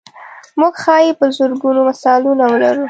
موږ ښایي په زرګونو مثالونه ولرو.